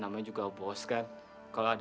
ampuni dosa allah